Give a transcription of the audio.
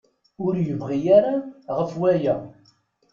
Ur yebni ara ɣef waya.